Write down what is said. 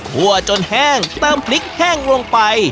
จนแห้งเติมพริกแห้งลงไป